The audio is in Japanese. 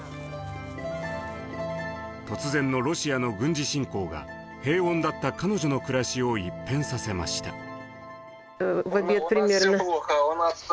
突然のロシアの軍事侵攻が平穏だった彼女の暮らしを一変させました。